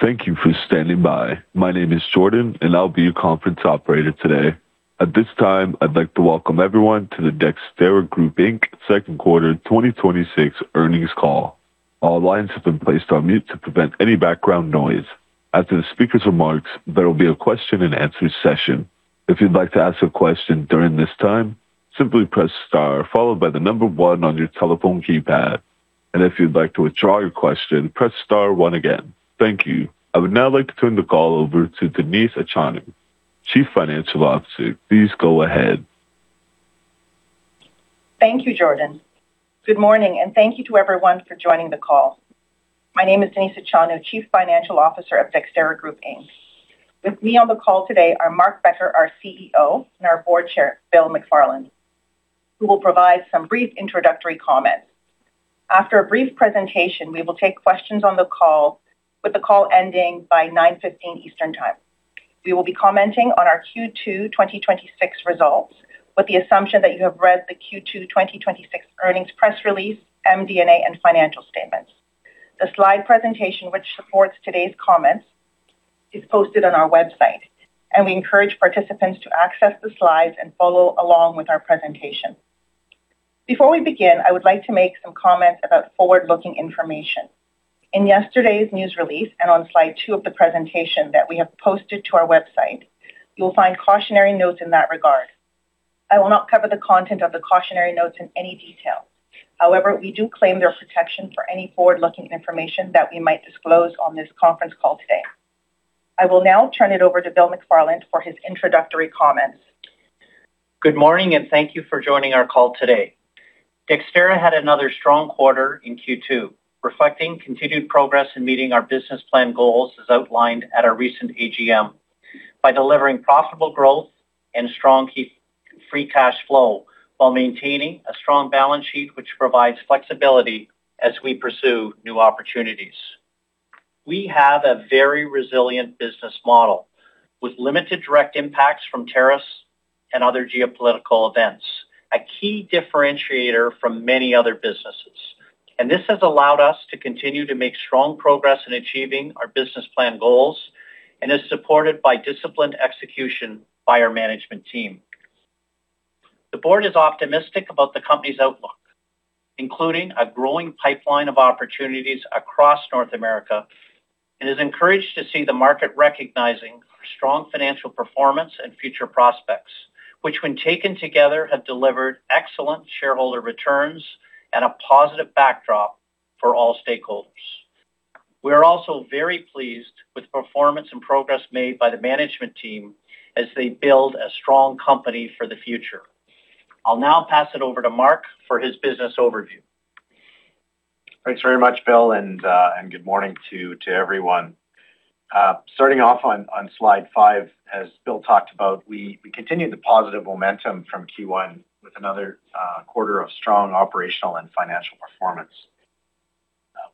Thank you for standing by. My name is Jordan, and I'll be your conference operator today. At this time, I'd like to welcome everyone to the Dexterra Group Inc. Second Quarter 2026 earnings call. All lines have been placed on mute to prevent any background noise. After the speaker's remarks, there will be a question and answer session. If you'd like to ask a question during this time, simply press star, followed by the number one on your telephone keypad. If you'd like to withdraw your question, press star one again. Thank you. I would now like to turn the call over to Denise Achonu, Chief Financial Officer. Please go ahead. Thank you, Jordan. Good morning. Thank you to everyone for joining the call. My name is Denise Achonu, Chief Financial Officer of Dexterra Group Inc. With me on the call today are Mark Becker, our CEO, and our Board Chair, Bill McFarland, who will provide some brief introductory comments. After a brief presentation, we will take questions on the call, with the call ending by 9:15 A.M. Eastern Time. We will be commenting on our Q2 2026 results with the assumption that you have read the Q2 2026 earnings press release, MD&A, and financial statements. The slide presentation which supports today's comments is posted on our website. We encourage participants to access the slides and follow along with our presentation. Before we begin, I would like to make some comments about forward-looking information. In yesterday's news release and on slide two of the presentation that we have posted to our website, you will find cautionary notes in that regard. I will not cover the content of the cautionary notes in any detail. However, we do claim their protection for any forward-looking information that we might disclose on this conference call today. I will now turn it over to Bill McFarland for his introductory comments. Good morning. Thank you for joining our call today. Dexterra had another strong quarter in Q2, reflecting continued progress in meeting our business plan goals as outlined at our recent AGM, by delivering profitable growth and strong free cash flow while maintaining a strong balance sheet which provides flexibility as we pursue new opportunities. We have a very resilient business model with limited direct impacts from tariffs and other geopolitical events, a key differentiator from many other businesses. This has allowed us to continue to make strong progress in achieving our business plan goals and is supported by disciplined execution by our management team. The board is optimistic about the company's outlook, including a growing pipeline of opportunities across North America, and is encouraged to see the market recognizing our strong financial performance and future prospects, which when taken together have delivered excellent shareholder returns and a positive backdrop for all stakeholders. We are also very pleased with the performance and progress made by the management team as they build a strong company for the future. I'll now pass it over to Mark for his business overview. Thanks very much, Bill, and good morning to everyone. Starting off on slide five, as Bill talked about, we continued the positive momentum from Q1 with another quarter of strong operational and financial performance.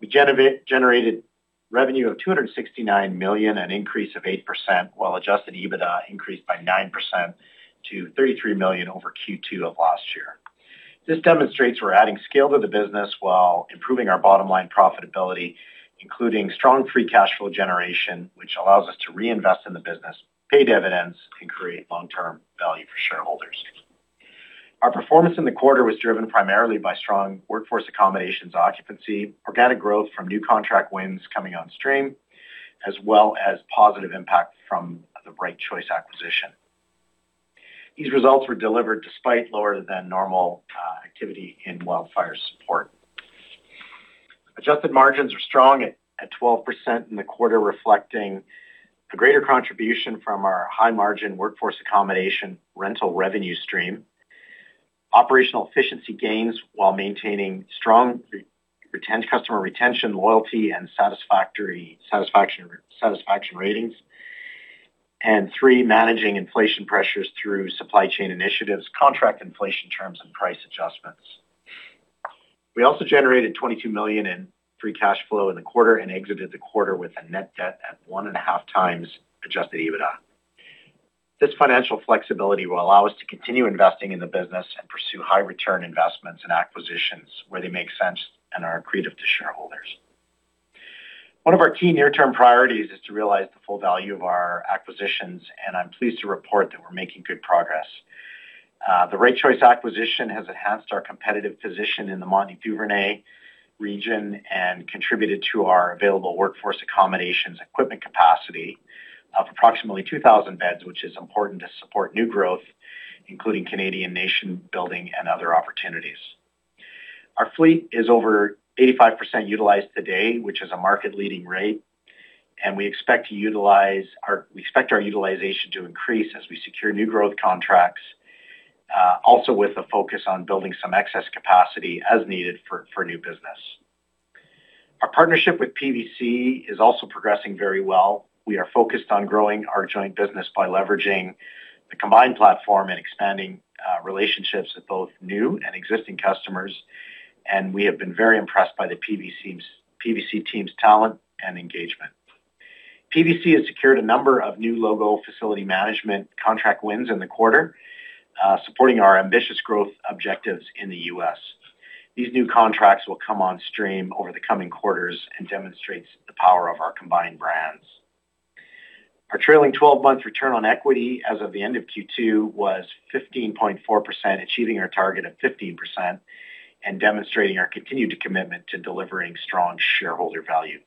We generated revenue of 269 million, an increase of 8%, while Adjusted EBITDA increased by 9% to 33 million over Q2 of last year. This demonstrates we're adding scale to the business while improving our bottom-line profitability, including strong Free Cash Flow generation, which allows us to reinvest in the business, pay dividends, and create long-term value for shareholders. Our performance in the quarter was driven primarily by strong Workforce Accommodations occupancy, organic growth from new contract wins coming on stream, as well as positive impact from the Right Choice acquisition. These results were delivered despite lower than normal activity in wildfire support. Adjusted margins were strong at 12% in the quarter, reflecting a greater contribution from our high-margin Workforce Accommodations rental revenue stream. Operational efficiency gains while maintaining strong customer retention, loyalty and satisfaction ratings. 3, managing inflation pressures through supply chain initiatives, contract inflation terms, and price adjustments. We also generated 22 million in Free Cash Flow in the quarter and exited the quarter with a net debt at 1.5 times Adjusted EBITDA. This financial flexibility will allow us to continue investing in the business and pursue high return investments and acquisitions where they make sense and are accretive to shareholders. One of our key near-term priorities is to realize the full value of our acquisitions, and I'm pleased to report that we're making good progress. The Right Choice acquisition has enhanced our competitive position in the Montney region and contributed to our available Workforce Accommodations equipment capacity of approximately 2,000 beds, which is important to support new growth, including Canadian Nation building and other opportunities. Our fleet is over 85% utilized today, which is a market-leading rate, and we expect our utilization to increase as we secure new growth contracts. Also with a focus on building some excess capacity as needed for new business. Our partnership with PVC is also progressing very well. We are focused on growing our joint business by leveraging the combined platform and expanding relationships with both new and existing customers, and we have been very impressed by the PVC team's talent and engagement. PVC has secured a number of new logo facility management contract wins in the quarter, supporting our ambitious growth objectives in the U.S. These new contracts will come on stream over the coming quarters and demonstrates the power of our combined brands. Our trailing 12-month Return on Equity as of the end of Q2 was 15.4%, achieving our target of 15% and demonstrating our continued commitment to delivering strong shareholder value.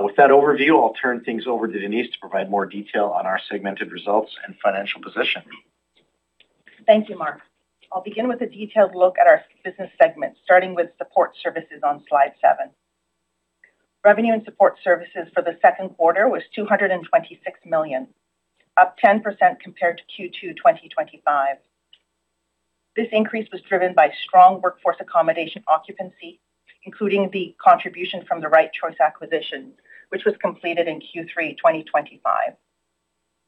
With that overview, I'll turn things over to Denise to provide more detail on our segmented results and financial position. Thank you, Mark. I'll begin with a detailed look at our business segments, starting with Support Services on slide seven. Revenue in Support Services for the second quarter was 226 million, up 10% compared to Q2 2025. This increase was driven by strong workforce accommodation occupancy, including the contribution from the Right Choice acquisition, which was completed in Q3 2025,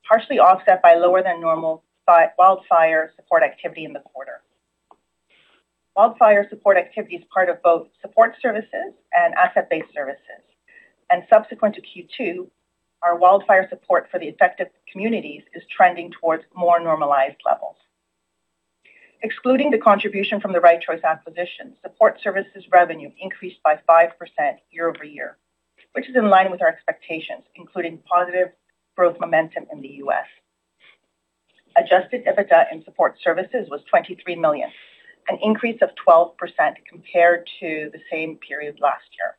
partially offset by lower than normal wildfire support activity in the quarter. Wildfire support activity is part of both Support Services and Asset Based Services. Subsequent to Q2, our wildfire support for the affected communities is trending towards more normalized levels. Excluding the contribution from the Right Choice acquisition, Support Services revenue increased by 5% year-over-year, which is in line with our expectations, including positive growth momentum in the U.S. Adjusted EBITDA in Support Services was 23 million, an increase of 12% compared to the same period last year.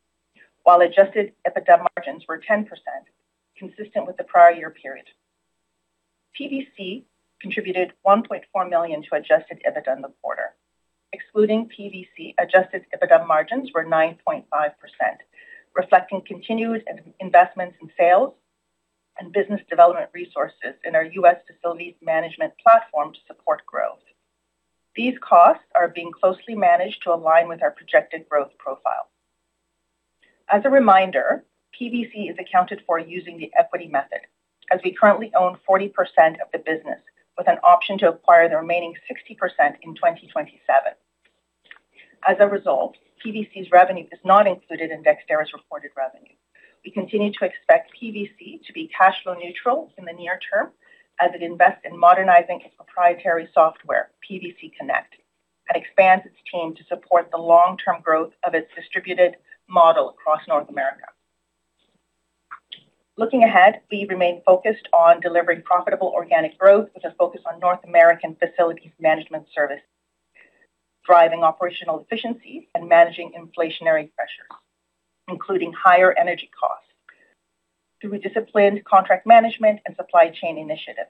While Adjusted EBITDA margins were 10%, consistent with the prior year period. PVC contributed 1.4 million to Adjusted EBITDA in the quarter. Excluding PVC, Adjusted EBITDA margins were 9.5%, reflecting continued investments in sales and business development resources in our U.S. facilities management platform to support growth. These costs are being closely managed to align with our projected growth profile. As a reminder, PVC is accounted for using the Equity Method, as we currently own 40% of the business with an option to acquire the remaining 60% in 2027. As a result, PVC's revenue is not included in Dexterra's reported revenue. We continue to expect PVC to be cashflow neutral in the near term as it invests in modernizing its proprietary software, PVC Connect, and expands its team to support the long-term growth of its distributed model across North America. Looking ahead, we remain focused on delivering profitable organic growth with a focus on North American facilities management service, driving operational efficiencies, and managing inflationary pressures, including higher energy costs through a disciplined contract management and supply chain initiatives.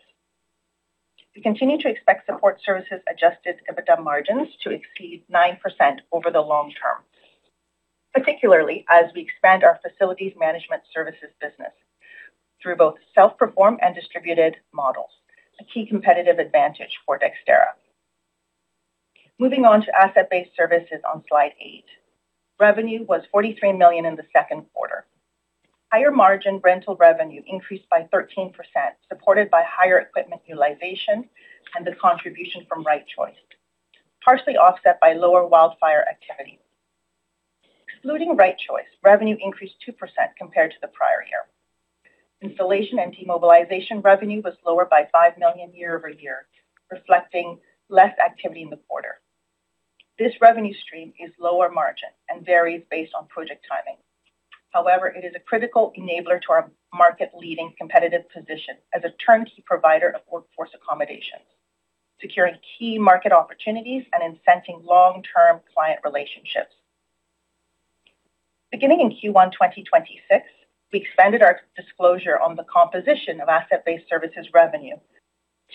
We continue to expect Support Services Adjusted EBITDA margins to exceed 9% over the long term, particularly as we expand our facilities management services business through both self-perform and distributed models, a key competitive advantage for Dexterra. Moving on to Asset Based Services on slide eight. Revenue was 43 million in the second quarter. Higher margin rental revenue increased by 13%, supported by higher equipment utilization and the contribution from Right Choice, partially offset by lower wildfire activity. Excluding Right Choice, revenue increased 2% compared to the prior year. Installation and demobilization revenue was lower by 5 million year-over-year, reflecting less activity in the quarter. This revenue stream is lower margin and varies based on project timing. However, it is a critical enabler to our market-leading competitive position as a turnkey provider of Workforce Accommodations, securing key market opportunities and incenting long-term client relationships. Beginning in Q1 2026, we expanded our disclosure on the composition of Asset Based Services revenue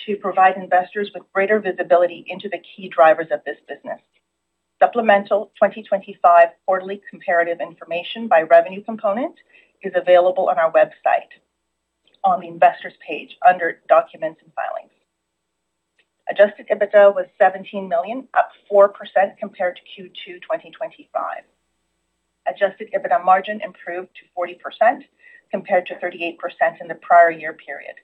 to provide investors with greater visibility into the key drivers of this business. Supplemental 2025 quarterly comparative information by revenue component is available on our website on the investor's page under documents and filings. Adjusted EBITDA was 17 million, up 4% compared to Q2 2025. Adjusted EBITDA margin improved to 40% compared to 38% in the prior year period,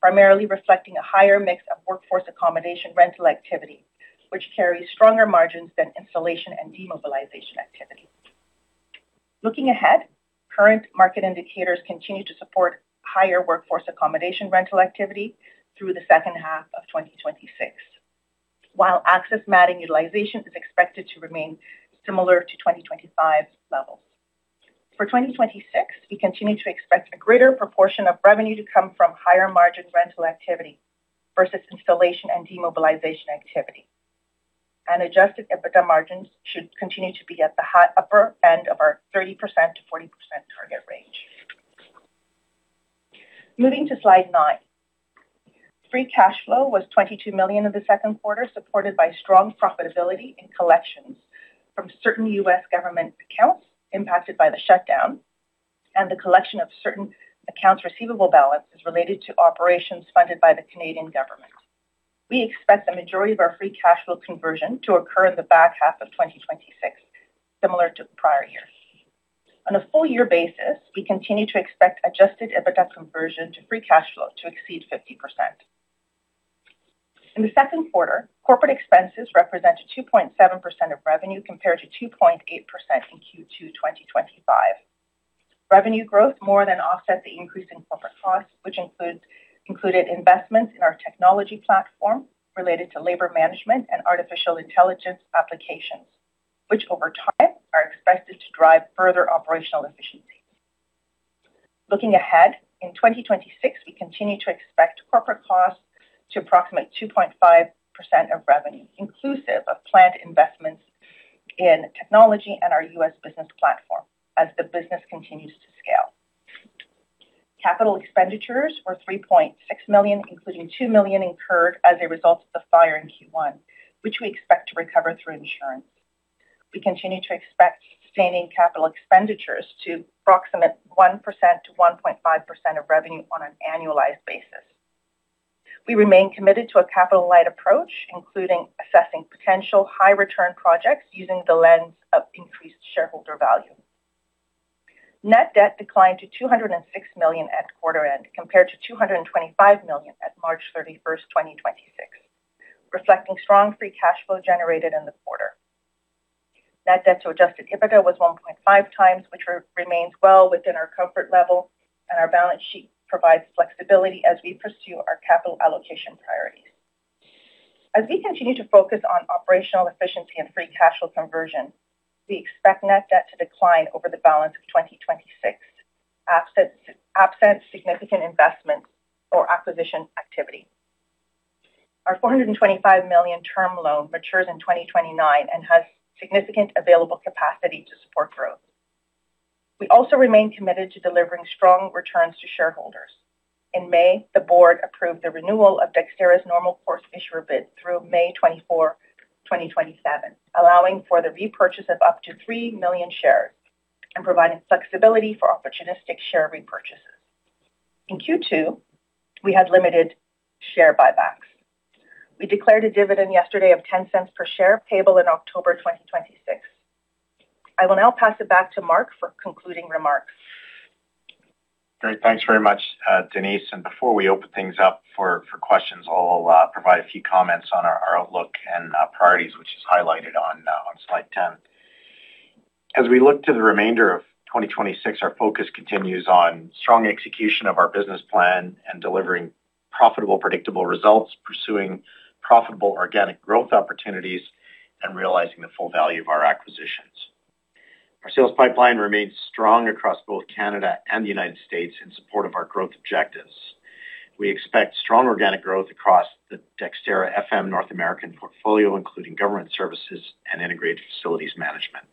primarily reflecting a higher mix of Workforce Accommodations rental activity, which carries stronger margins than installation and demobilization activity. Looking ahead, current market indicators continue to support higher Workforce Accommodations rental activity through the second half of 2026. While Access Matting utilization is expected to remain similar to 2025 levels. For 2026, we continue to expect a greater proportion of revenue to come from higher margin rental activity versus installation and demobilization activity. Adjusted EBITDA margins should continue to be at the upper end of our 30%-40% target range. Moving to slide nine. Free Cash Flow was 22 million in the second quarter, supported by strong profitability and collections from certain U.S. government accounts impacted by the shutdown and the collection of certain accounts receivable balances related to operations funded by the Canadian government. We expect the majority of our Free Cash Flow conversion to occur in the back half of 2026, similar to prior years. On a full year basis, we continue to expect Adjusted EBITDA conversion to Free Cash Flow to exceed 50%. In the second quarter, corporate expenses represented 2.7% of revenue compared to 2.8% in Q2 2025. Revenue growth more than offset the increase in corporate costs, which included investments in our technology platform related to labor management and artificial intelligence applications, which over time are expected to drive further operational efficiency. Looking ahead, in 2026, we continue to expect corporate costs to approximate 2.5% of revenue, inclusive of planned investments in technology and our U.S. business platform as the business continues to scale. Capital expenditures were 3.6 million, including 2 million incurred as a result of the fire in Q1, which we expect to recover through insurance. We continue to expect sustaining capital expenditures to approximate 1%-1.5% of revenue on an annualized basis. We remain committed to a capital-light approach, including assessing potential high-return projects using the lens of increased shareholder value. Net debt declined to 206 million at quarter end, compared to 225 million at March 31st, 2026, reflecting strong Free Cash Flow generated in the quarter. Net debt to Adjusted EBITDA was 1.5 times, which remains well within our comfort level, and our balance sheet provides flexibility as we pursue our capital allocation priorities. As we continue to focus on operational efficiency and Free Cash Flow conversion, we expect net debt to decline over the balance of 2026, absent significant investments or acquisition activity. Our 425 million term loan matures in 2029 and has significant available capacity to support growth. We also remain committed to delivering strong returns to shareholders. In May, the board approved the renewal of Dexterra's Normal Course Issuer Bid through May 24, 2027, allowing for the repurchase of up to 3 million shares and providing flexibility for opportunistic share repurchases. In Q2, we had limited share buybacks. We declared a dividend yesterday of 0.10 per share, payable in October 2026. I will now pass it back to Mark for concluding remarks. Great. Thanks very much, Denise, Before we open things up for questions, I'll provide a few comments on our outlook and priorities, which is highlighted on slide 10. As we look to the remainder of 2026, our focus continues on strong execution of our business plan and delivering profitable, predictable results, pursuing profitable organic growth opportunities, and realizing the full value of our acquisitions. Our sales pipeline remains strong across both Canada and the U.S. in support of our growth objectives. We expect strong organic growth across the Dexterra FM North American portfolio, including government services and integrated facilities management.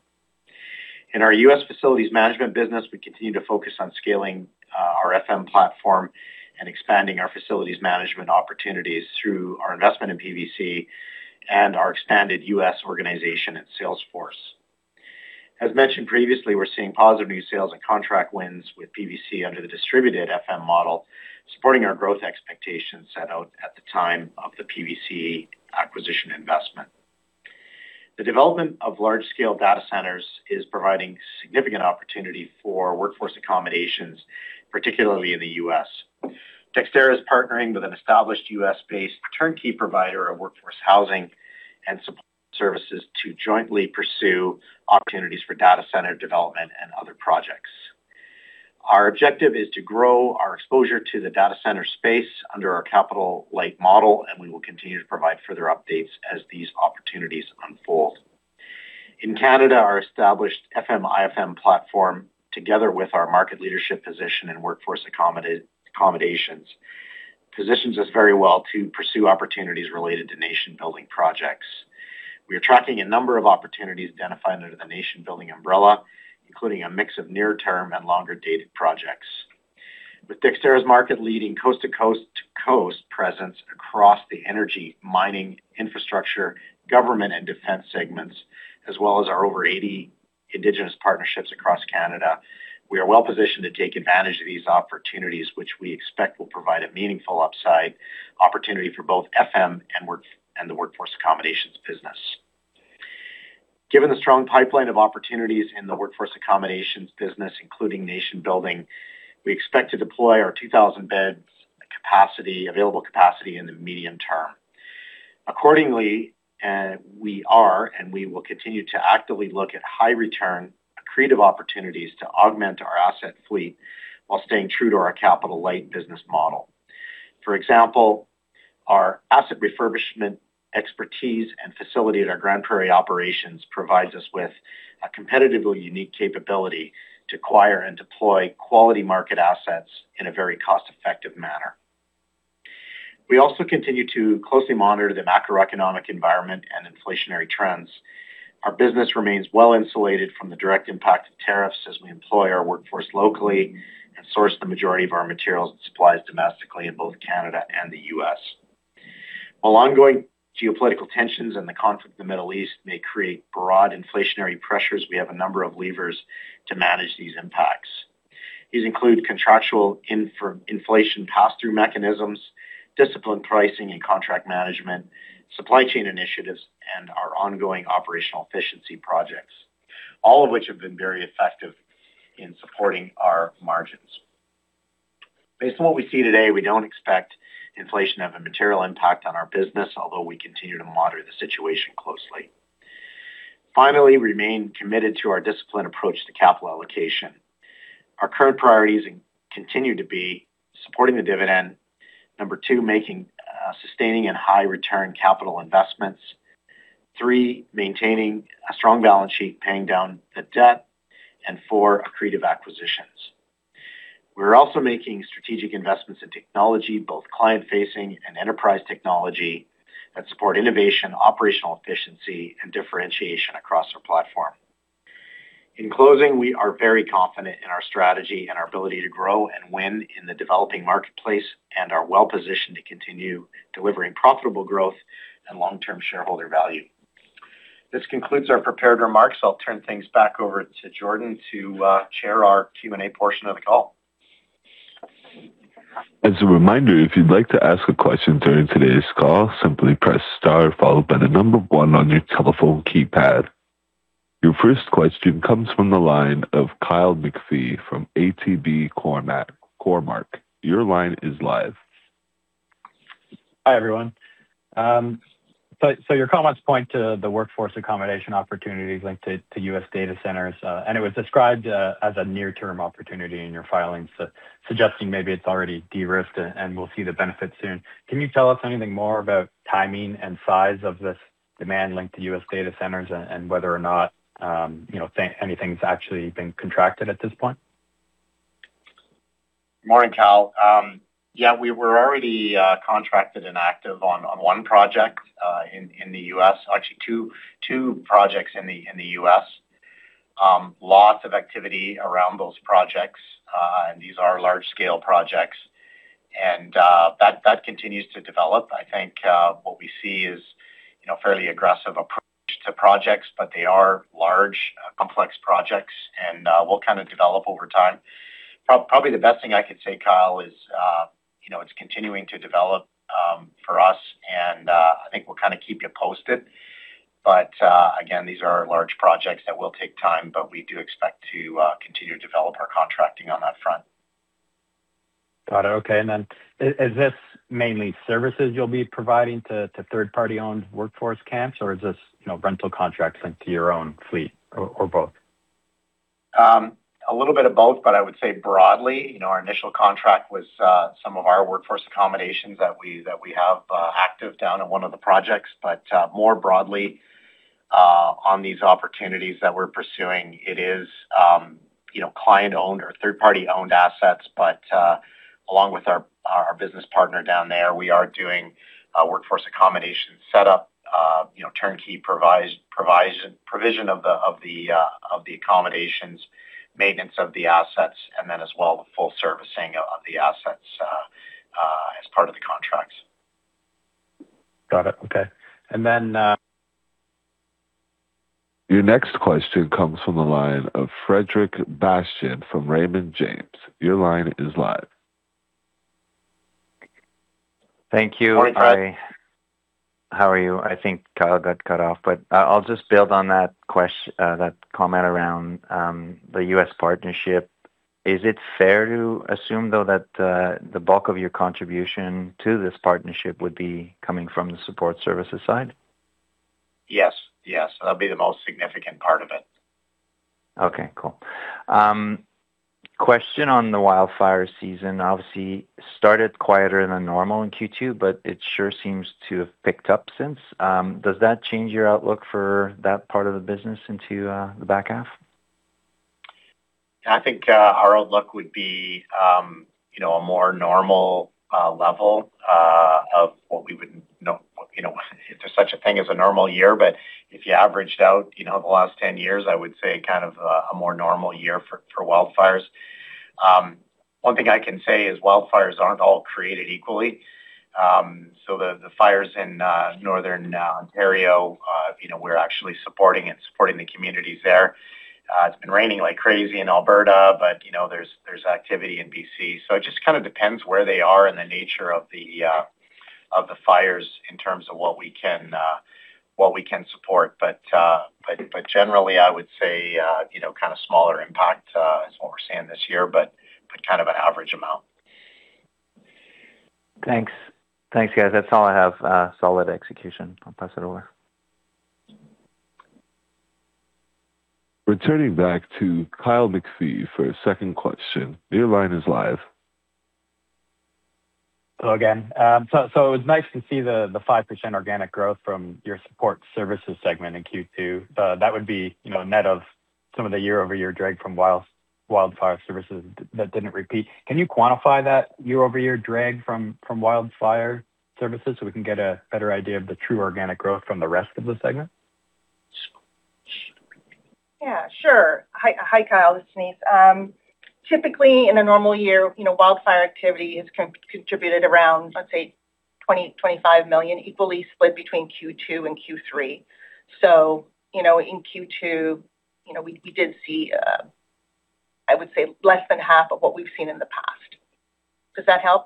In our U.S. facilities management business, we continue to focus on scaling our FM platform and expanding our facilities management opportunities through our investment in PVC and our expanded U.S. organization and sales force. As mentioned previously, we're seeing positive new sales and contract wins with PVC under the distributed FM model, supporting our growth expectations set out at the time of the PVC acquisition investment. The development of large-scale data centers is providing significant opportunity for Workforce Accommodations, particularly in the U.S. Dexterra is partnering with an established U.S.-based turnkey provider of workforce housing and Support Services to jointly pursue opportunities for data center development and other projects. Our objective is to grow our exposure to the data center space under our capital-light model, and we will continue to provide further updates as these opportunities unfold. In Canada, our established FM/IFM platform, together with our market leadership position in Workforce Accommodations, positions us very well to pursue opportunities related to nation-building projects. We are tracking a number of opportunities identified under the nation-building umbrella, including a mix of near-term and longer-dated projects. With Dexterra's market-leading coast-to-coast presence across the energy, mining, infrastructure, government, and defense segments, as well as our over 80 Indigenous partnerships across Canada, we are well-positioned to take advantage of these opportunities, which we expect will provide a meaningful upside opportunity for both FM and the Workforce Accommodations business. Given the strong pipeline of opportunities in the Workforce Accommodations business, including nation-building, we expect to deploy our 2,000 beds available capacity in the medium term. Accordingly, we are and we will continue to actively look at high-return, accretive opportunities to augment our asset fleet while staying true to our capital-light business model. For example, our asset refurbishment expertise and facility at our Grande Prairie operations provides us with a competitively unique capability to acquire and deploy quality market assets in a very cost-effective manner. We also continue to closely monitor the macroeconomic environment and inflationary trends. Our business remains well insulated from the direct impact of tariffs as we employ our workforce locally and source the majority of our materials and supplies domestically in both Canada and the U.S. While ongoing geopolitical tensions and the conflict in the Middle East may create broad inflationary pressures, we have a number of levers to manage these impacts. These include contractual inflation pass-through mechanisms, disciplined pricing and contract management, supply chain initiatives, and our ongoing operational efficiency projects, all of which have been very effective in supporting our margins. Based on what we see today, we don't expect inflation to have a material impact on our business, although we continue to monitor the situation closely. Finally, we remain committed to our disciplined approach to capital allocation. Our current priorities continue to be supporting the dividend. Number 2, sustaining in high return capital investments. 3, maintaining a strong balance sheet, paying down the debt, and 4, accretive acquisitions. We're also making strategic investments in technology, both client facing and enterprise technology that support innovation, operational efficiency, and differentiation across our platform. In closing, we are very confident in our strategy and our ability to grow and win in the developing marketplace, and are well-positioned to continue delivering profitable growth and long-term shareholder value. This concludes our prepared remarks. I'll turn things back over to Jordan to chair our Q&A portion of the call. As a reminder, if you'd like to ask a question during today's call, simply press star followed by the number 1 on your telephone keypad. Your first question comes from the line of Kyle McPhee from ATB Cormark. Your line is live. Hi, everyone. Your comments point to the workforce accommodation opportunities linked to U.S. data centers, and it was described as a near-term opportunity in your filings, suggesting maybe it's already de-risked and we'll see the benefits soon. Can you tell us anything more about timing and size of this demand linked to U.S. data centers and whether or not anything's actually been contracted at this point? Morning, Kyle. Yeah, we were already contracted and active on one project in the U.S. Actually two projects in the U.S. Lots of activity around those projects. These are large-scale projects and that continues to develop. I think what we see is a fairly aggressive approach to projects, but they are large, complex projects and will kind of develop over time. Probably the best thing I could say, Kyle, is it's continuing to develop for us and I think we'll kind of keep you posted. Again, these are large projects that will take time, but we do expect to continue to develop our contracting on that front. Got it. Okay. Is this mainly services you'll be providing to third-party owned workforce camps, or is this rental contracts linked to your own fleet or both? A little bit of both, but I would say broadly, our initial contract was some of our Workforce Accommodations that we have active down in one of the projects. More broadly on these opportunities that we're pursuing, it is client owned or third-party owned assets. Along with our business partner down there, we are doing Workforce Accommodation set up, turnkey provision of the accommodations, maintenance of the assets, and then as well, the full servicing of the assets as part of the contracts. Got it. Okay. Your next question comes from the line of Frederic Bastien from Raymond James. Your line is live. Thank you. Morning, Fred. How are you? I think Kyle got cut off, but I'll just build on that comment around the U.S. partnership. Is it fair to assume, though, that the bulk of your contribution to this partnership would be coming from the Support Services side? Yes. That'll be the most significant part of it. Okay, cool. Question on the wildfire season. Obviously started quieter than normal in Q2, but it sure seems to have picked up since. Does that change your outlook for that part of the business into the back half? I think our outlook would be a more normal level of what we would if there's such a thing as a normal year. If you averaged out the last 10 years, I would say kind of a more normal year for wildfires. One thing I can say is wildfires aren't all created equally. The fires in Northern Ontario we're actually supporting and supporting the communities there. It's been raining like crazy in Alberta, but there's activity in BC. It just kind of depends where they are and the nature of the fires in terms of what we can support. Generally I would say kind of smaller impact is what we're seeing this year, but kind of an average amount. Thanks. Thanks, guys. That's all I have. Solid execution. I'll pass it over. Returning back to Kyle McPhee for a second question. Your line is live. Hello again. It was nice to see the 5% organic growth from your Support Services segment in Q2. That would be net of some of the year-over-year drag from wildfire services that didn't repeat. Can you quantify that year-over-year drag from wildfire services so we can get a better idea of the true organic growth from the rest of the segment? Yeah, sure. Hi, Kyle, this is Denise. Typically in a normal year wildfire activity has contributed around, let's say 20 million, 25 million, equally split between Q2 and Q3. In Q2 we did see, I would say less than half of what we've seen in the past. Does that help?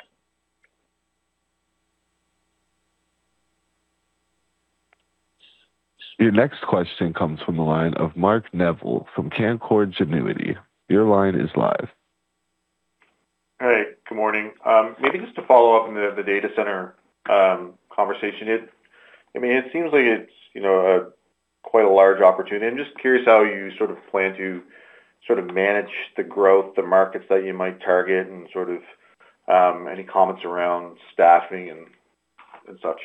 Your next question comes from the line of Mark Neville from Canaccord Genuity. Your line is live. Hey, good morning. Just to follow up on the data center conversation. It seems like it's quite a large opportunity. I'm just curious how you sort of plan to manage the growth, the markets that you might target, and any comments around staffing and such.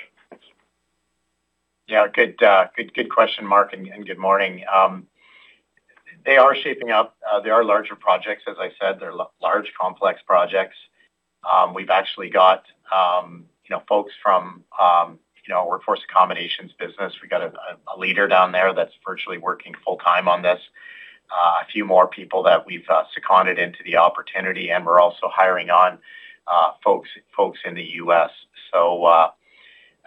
Thanks. Yeah. Good question, Mark, and good morning. They are shaping up. They are larger projects, as I said, they're large complex projects. We've actually got folks from our Workforce Accommodations business. We've got a leader down there that's virtually working full-time on this. A few more people that we've seconded into the opportunity, and we're also hiring on folks in the U.S.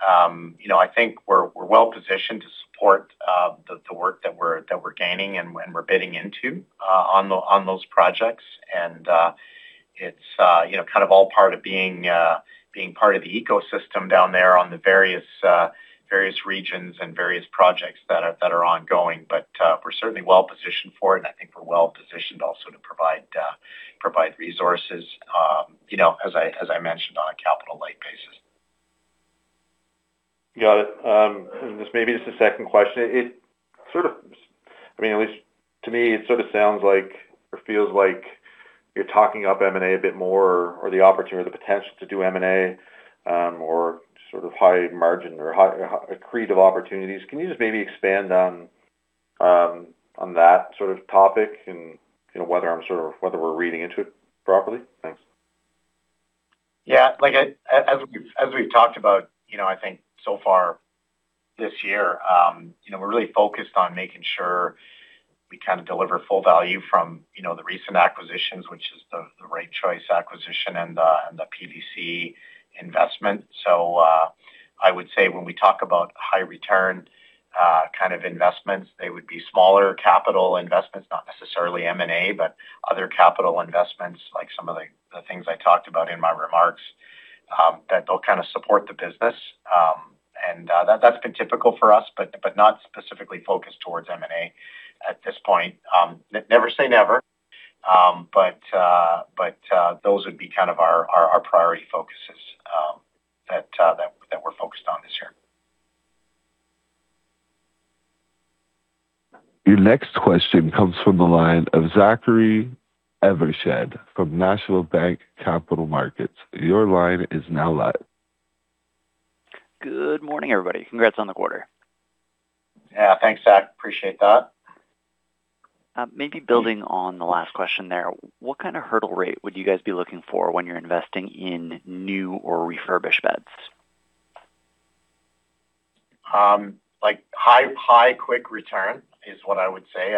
I think we're well-positioned to support the work that we're gaining and we're bidding into on those projects. It's all part of being part of the ecosystem down there on the various regions and various projects that are ongoing. We're certainly well-positioned for it, and I think we're well-positioned also to provide resources, as I mentioned, on a capital light basis. Got it. This may be just a second question. At least to me, it sort of sounds like, or feels like you're talking up M&A a bit more or the opportunity or the potential to do M&A, or sort of high margin or accretive opportunities. Can you just maybe expand on that sort of topic and whether we're reading into it properly? Thanks. Yeah. As we've talked about, I think so far this year, we're really focused on making sure we kind of deliver full value from the recent acquisitions, which is the Right Choice acquisition and the PVC investment. I would say when we talk about high return kind of investments, they would be smaller capital investments, not necessarily M&A, but other capital investments, like some of the things I talked about in my remarks, that they'll kind of support the business. That's been typical for us, but not specifically focused towards M&A at this point. Never say never. Those would be kind of our priority focuses that we're focused on this year. Your next question comes from the line of Zachary Evershed from National Bank Capital Markets. Your line is now live. Good morning, everybody. Congrats on the quarter. Yeah. Thanks, Zach. Appreciate that. Maybe building on the last question there, what kind of hurdle rate would you guys be looking for when you're investing in new or refurbished beds? High, quick return is what I would say.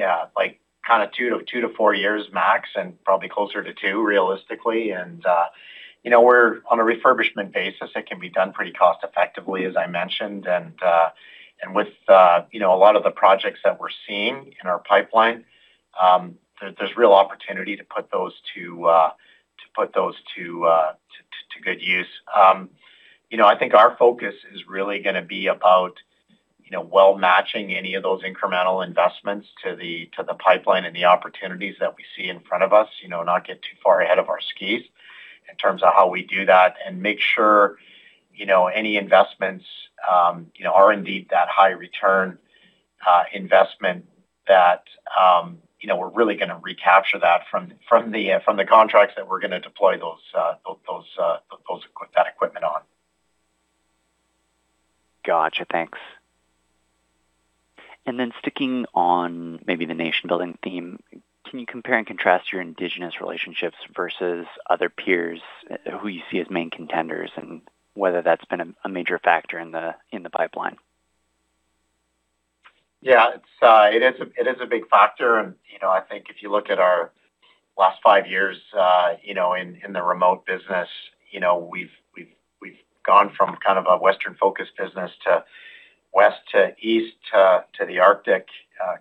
Our two to four years max, and probably closer to two realistically. We're on a refurbishment basis that can be done pretty cost effectively, as I mentioned. With a lot of the projects that we're seeing in our pipeline, there's real opportunity to put those to good use. I think our focus is really going to be about well matching any of those incremental investments to the pipeline and the opportunities that we see in front of us, not get too far ahead of our skis in terms of how we do that and make sure any investments are indeed that high return investment that we're really going to recapture that from the contracts that we're going to deploy that equipment on. Got you. Thanks. Sticking on maybe the Nation building theme, can you compare and contrast your indigenous relationships versus other peers who you see as main contenders and whether that's been a major factor in the pipeline? Yeah. It is a big factor and I think if you look at our last five years in the remote business, we've gone from kind of a Western-focused business to west to east to the Arctic,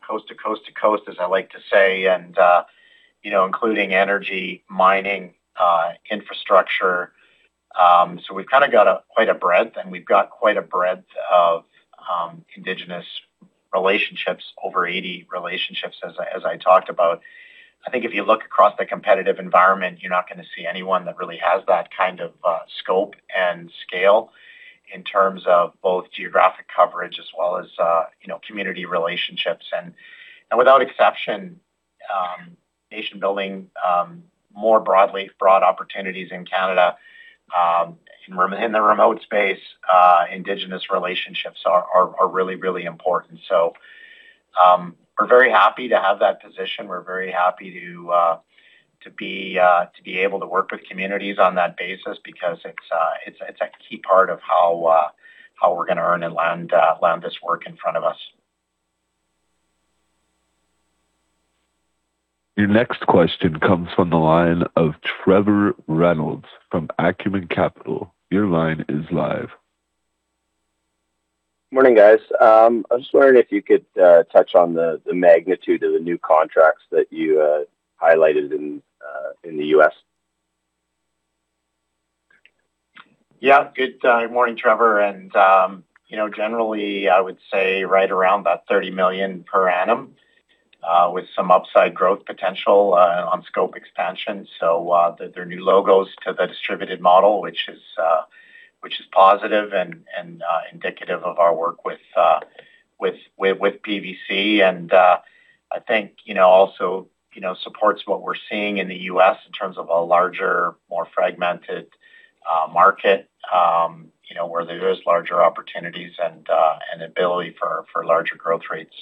coast to coast to coast, as I like to say, including energy mining infrastructure. We've kind of got quite a breadth and we've got quite a breadth of indigenous relationships, over 80 relationships, as I talked about. I think if you look across the competitive environment, you're not going to see anyone that really has that kind of scope and scale in terms of both geographic coverage as well as community relationships. Without exception, Nation building, more broadly broad opportunities in Canada, in the remote space, indigenous relationships are really important. We're very happy to have that position. We're very happy to be able to work with communities on that basis because it's a key part of how we're going to earn and land this work in front of us. Your next question comes from the line of Trevor Reynolds from Acumen Capital. Your line is live. Morning, guys. I was just wondering if you could touch on the magnitude of the new contracts that you highlighted in the U.S. Yeah. Good morning, Trevor. Generally, I would say right around that 30 million per annum, with some upside growth potential on scope expansion. There are new logos to the distributed model, which is positive and indicative of our work with PVC and I think also supports what we're seeing in the U.S. in terms of a larger, more fragmented market, where there is larger opportunities and ability for larger growth rates.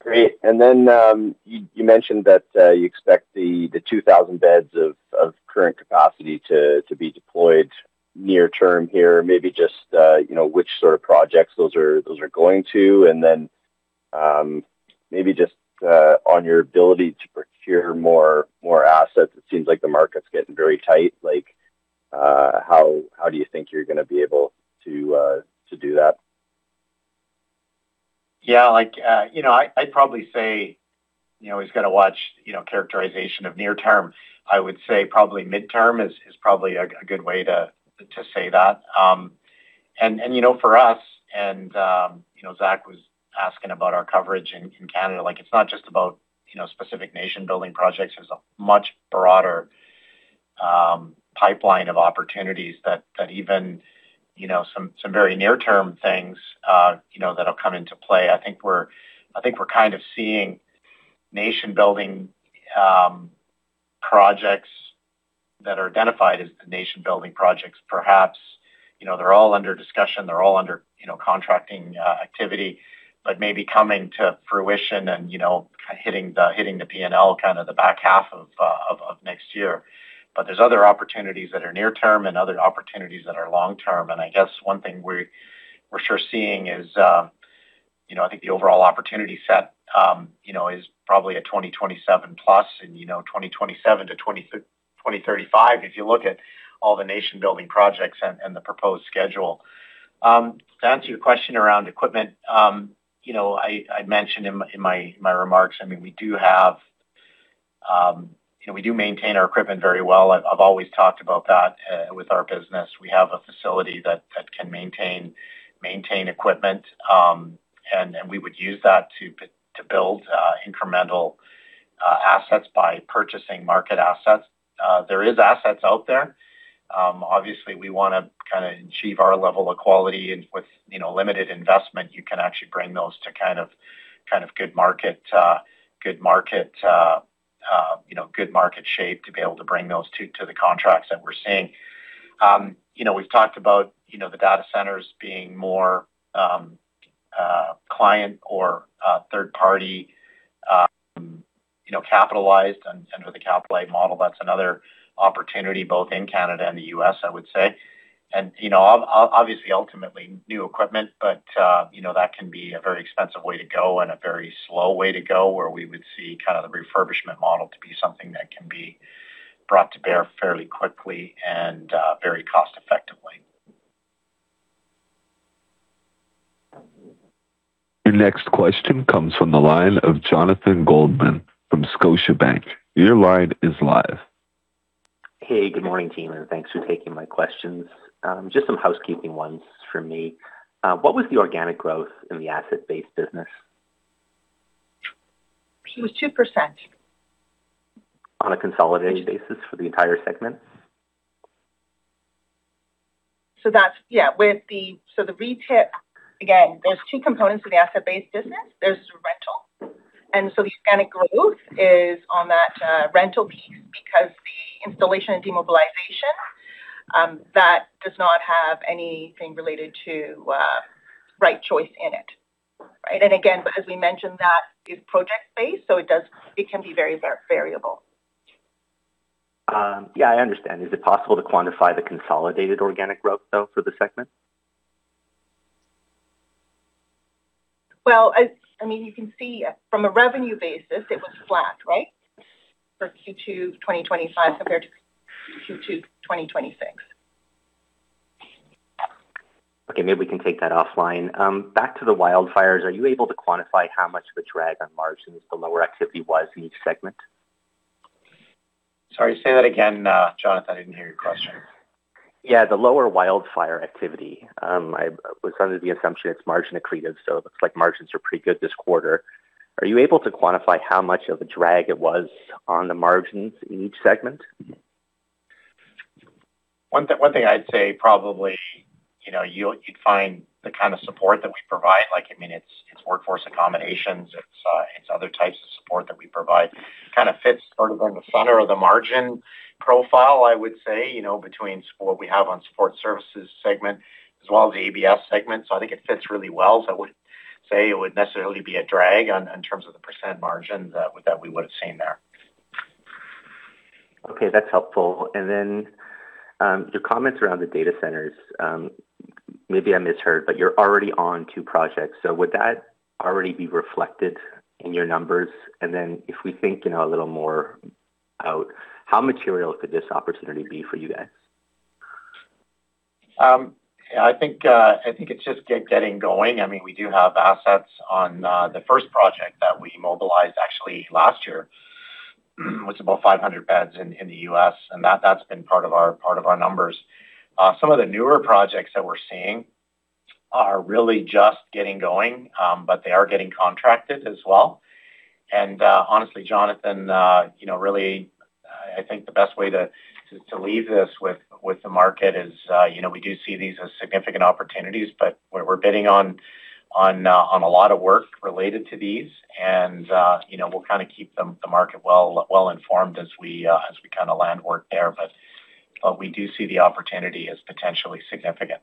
Great. You mentioned that you expect the 2,000 beds of current capacity to be deployed near term here. Maybe just which sort of projects those are going to? Then maybe just on your ability to procure more assets, it seems like the market's getting very tight. How do you think you're going to be able to do that? Yeah. I'd probably say, always got to watch characterization of near term. I would say probably midterm is probably a good way to say that. For us, and Zach was asking about our coverage in Canada, it's not just about specific Nation building projects. There's a much broader pipeline of opportunities that even some very near-term things that'll come into play. I think we're kind of seeing Nation building projects that are identified as the Nation building projects, perhaps. They're all under discussion, they're all under contracting activity, but maybe coming to fruition and hitting the P&L the back half of next year. There's other opportunities that are near term and other opportunities that are long term. I guess one thing we're sure seeing is, I think the overall opportunity set is probably a 2027+, and 2027-2035, if you look at all the Nation building projects and the proposed schedule. To answer your question around equipment, I mentioned in my remarks, we do maintain our equipment very well. I've always talked about that with our business. We have a facility that can maintain equipment, and we would use that to build incremental assets by purchasing market assets. There is assets out there. Obviously, we want to achieve our level of quality, and with limited investment, you can actually bring those to good market shape to be able to bring those two to the contracts that we're seeing. We've talked about the data centers being more client or third party capitalized under the capitalized model. That's another opportunity both in Canada and the U.S., I would say. Obviously, ultimately new equipment, but that can be a very expensive way to go and a very slow way to go where we would see the refurbishment model to be something that can be brought to bear fairly quickly and very cost effectively. Your next question comes from the line of Jonathan Goldman from Scotiabank. Your line is live. Hey, good morning, team, and thanks for taking my questions. Just some housekeeping ones from me. What was the organic growth in the Asset Based Services business? It was 2%. On a consolidated basis for the entire segment? The retip, again, there's two components to the Asset Based Services business. There's rental. The organic growth is on that rental piece because the installation and demobilization, that does not have anything related to Right Choice in it. Right? Again, because we mentioned that is project-based, so it can be very variable. Yeah, I understand. Is it possible to quantify the consolidated organic growth, though, for the segment? Well, you can see from a revenue basis, it was flat, right? For Q2 2025 compared to Q2 2026. Okay, maybe we can take that offline. Back to the wildfires, are you able to quantify how much of a drag on margins the lower activity was in each segment? Sorry, say that again, Jonathan. I didn't hear your question. Yeah, the lower wildfire activity. I was under the assumption it's margin accretive, so it looks like margins are pretty good this quarter. Are you able to quantify how much of a drag it was on the margins in each segment? One thing I'd say probably, you'd find the kind of support that we provide, it's Workforce Accommodations, it's other types of support that we provide, kind of fits sort of in the center of the margin profile, I would say, between what we have on Support Services segment as well as the ABS segment. I think it fits really well. I wouldn't say it would necessarily be a drag in terms of the % margin that we would've seen there. Okay, that's helpful. Your comments around the data centers. Maybe I misheard, but you're already on two projects. Would that already be reflected in your numbers? If we think a little more out, how material could this opportunity be for you guys? I think it's just getting going. We do have assets on the first project that we mobilized actually last year, was about 500 beds in the U.S., and that's been part of our numbers. Some of the newer projects that we're seeing are really just getting going, but they are getting contracted as well. Honestly, Jonathan, really, I think the best way to leave this with the market is we do see these as significant opportunities, but we're bidding on a lot of work related to these and we'll kind of keep the market well informed as we land work there. We do see the opportunity as potentially significant.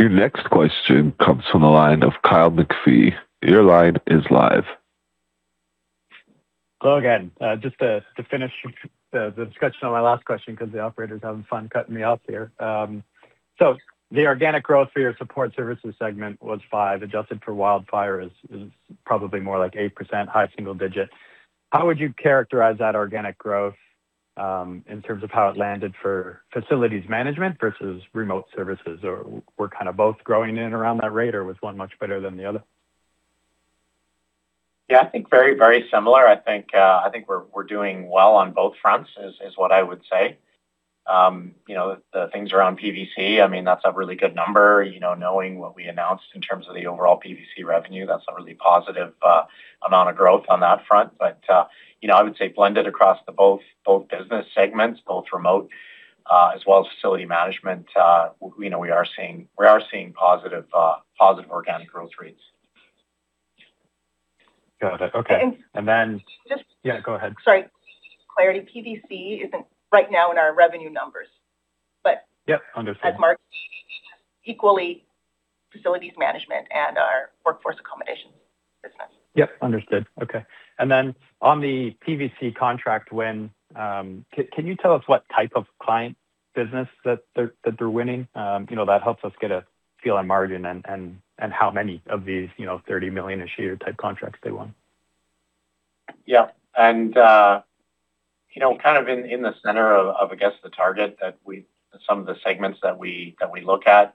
Your next question comes from the line of Kyle McPhee. Your line is live. Hello again. Just to finish the discussion on my last question because the operator's having fun cutting me off here. The organic growth for your Support Services segment was 5%, adjusted for wildfire is probably more like 8% high single digit. How would you characterize that organic growth in terms of how it landed for Facilities Management versus remote services? Or were kind of both growing in around that rate or was one much better than the other? Yeah, I think very similar. I think we're doing well on both fronts is what I would say. The things around PVC, that's a really good number. Knowing what we announced in terms of the overall PVC revenue, that's a really positive amount of growth on that front. I would say blended across the both business segments, both remote as well as Facilities Management, we are seeing positive organic growth rates. Got it. Okay. And- And then- Just- Yeah, go ahead. Sorry. Clarity. PVC isn't right now in our revenue numbers. Yep, understood. as Mark, equally Facilities Management and our Workforce Accommodation business. Yep, understood. Okay. Then on the PVC contract win, can you tell us what type of client business that they're winning? That helps us get a feel on margin and how many of these 30 million a year type contracts they won. Yeah. Kind of in the center of, I guess, the target that some of the segments that we look at,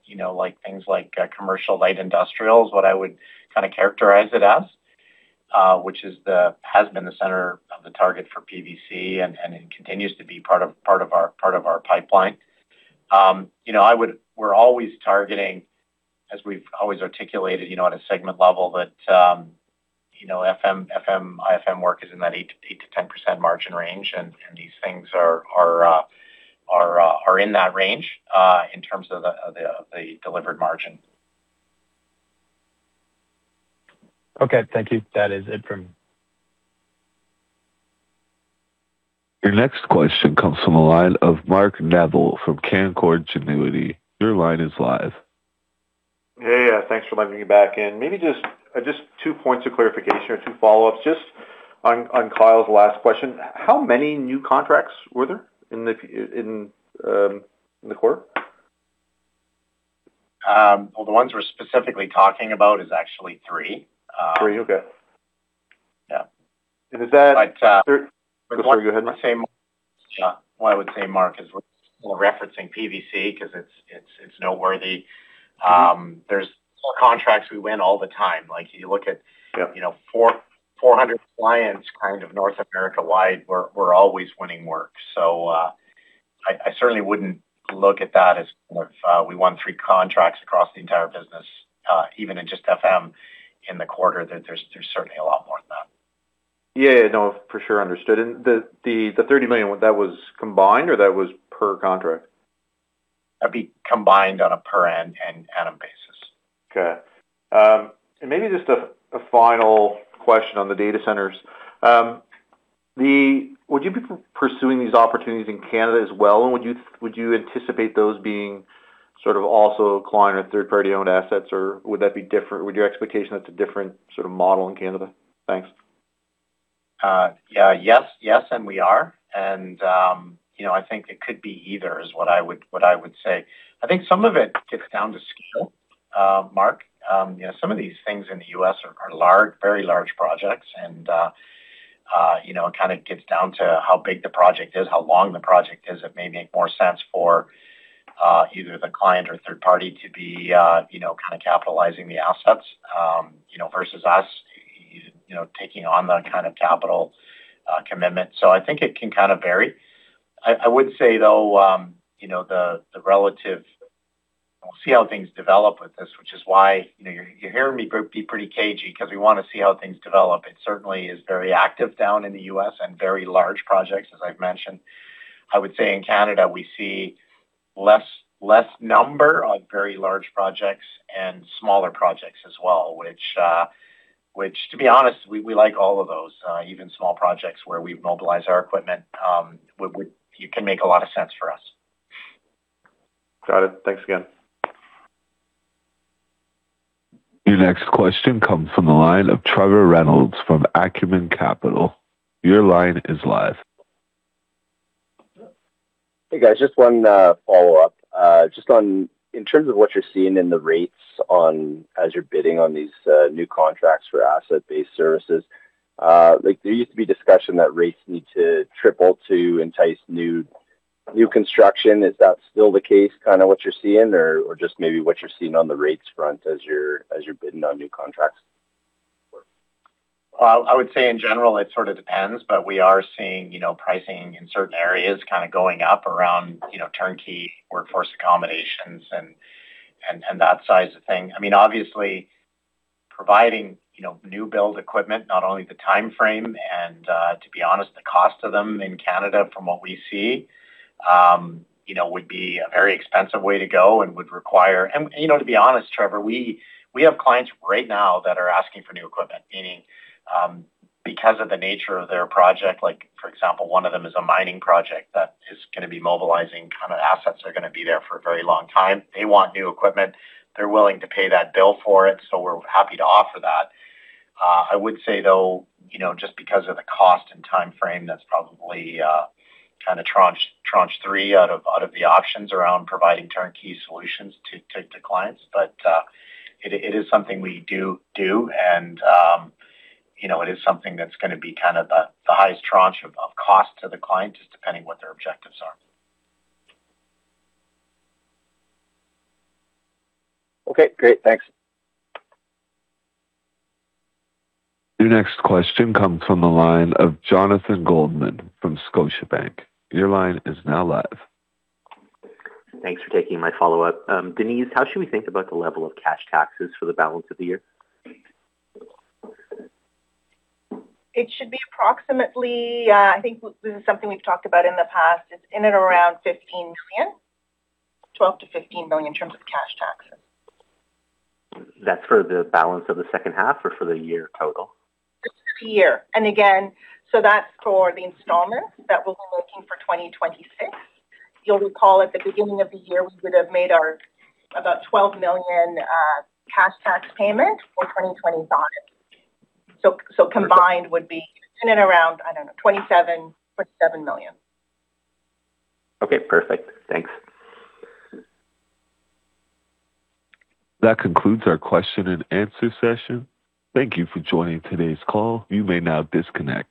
things like commercial light industrial is what I would kind of characterize it as, which has been the center of the target for PVC and it continues to be part of our pipeline. We're always targeting, as we've always articulated on a segment level that FM, IFM work is in that 8%-10% margin range and these things are in that range in terms of the delivered margin. Okay, thank you. That is it for me. Your next question comes from the line of Mark Neville from Canaccord Genuity. Your line is live. Hey. Thanks for letting me back in. Maybe just two points of clarification or two follow-ups. Just on Kyle's last question, how many new contracts were there in the quarter? Well, the ones we're specifically talking about is actually three. Three? Okay. Yeah. And is that- But- Go ahead. Why I would say Mark is we're more referencing PVC because it's noteworthy. There's contracts we win all the time. Yep 400 clients kind of North America wide. We're always winning work. I certainly wouldn't look at that as we won three contracts across the entire business, even in just FM in the quarter, there's certainly a lot more than that. Yeah. No, for sure, understood. The 30 million, that was combined or that was per contract? That'd be combined on a per annum basis. Okay. Maybe just a final question on the data centers. Would you be pursuing these opportunities in Canada as well, and would you anticipate those being sort of also client or third party owned assets or would that be different? Would your expectation that's a different sort of model in Canada? Thanks. Yes, we are. I think it could be either is what I would say. I think some of it gets down to scale, Mark. Some of these things in the U.S. are very large projects and it kind of gets down to how big the project is, how long the project is. It may make more sense for either the client or third party to be kind of capitalizing the assets versus us taking on the kind of capital commitment. I think it can kind of vary. I would say though, We'll see how things develop with this, which is why you hear me be pretty cagey because we want to see how things develop. It certainly is very active down in the U.S. and very large projects, as I've mentioned. I would say in Canada, we see less number on very large projects and smaller projects as well, which to be honest, we like all of those, even small projects where we mobilize our equipment, it can make a lot of sense for us. Got it. Thanks again. Your next question comes from the line of Trevor Reynolds from Acumen Capital. Your line is live. Hey guys, just one follow-up. In terms of what you're seeing in the rates as you're bidding on these new contracts for Asset Based Services. There used to be discussion that rates need to triple to entice new construction. Is that still the case, kind of what you're seeing? Or just maybe what you're seeing on the rates front as you're bidding on new contracts? I would say in general, it sort of depends, but we are seeing pricing in certain areas kind of going up around turnkey Workforce Accommodations and that size of thing. Obviously, providing new build equipment, not only the timeframe and, to be honest, the cost of them in Canada from what we see, would be a very expensive way to go and would require. To be honest, Trevor, we have clients right now that are asking for new equipment, meaning, because of the nature of their project, like for example, one of them is a mining project that is going to be mobilizing kind of assets are going to be there for a very long time. They want new equipment. They're willing to pay that bill for it, we're happy to offer that. I would say though, just because of the cost and timeframe, that's probably tranche 3 out of the options around providing turnkey solutions to clients. It is something we do, and it is something that's going to be the highest tranche of cost to the client, just depending what their objectives are. Okay, great. Thanks. Your next question comes from the line of Jonathan Goldman from Scotiabank. Your line is now live. Thanks for taking my follow-up. Denise, how should we think about the level of cash taxes for the balance of the year? It should be approximately, I think this is something we've talked about in the past. It's in at around 15 million, 12 million-15 million in terms of cash taxes. That's for the balance of the second half or for the year total? This is the year. That's for the installment that we'll be looking for 2026. You'll recall at the beginning of the year, we would've made our about 12 million cash tax payment for 2025. Combined would be in and around, I don't know, 27.7 million. Okay, perfect. Thanks. That concludes our question and answer session. Thank you for joining today's call. You may now disconnect.